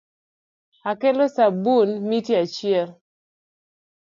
Akelo sabun miti achiel.